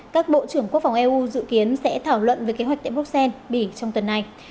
các bộ trưởng quốc phòng eu dự kiến sẽ thảo luận về kế hoạch tại bruxelles bỉ trong tuần này